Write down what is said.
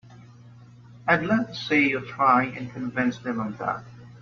I'd love to see you try and convince them of that!